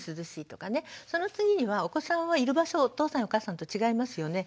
その次にはお子さんはいる場所がお父さんやお母さんと違いますよね。